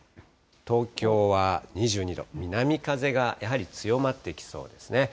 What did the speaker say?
東京は２２度、南風がやはり強まってきそうですね。